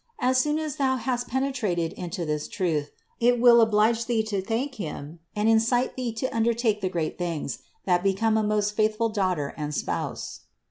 As soon as thou hast penetrated into this truth, it will oblige thee to thank Him and incite thee to undertake the great things, that become a most faithful daughter and spouse.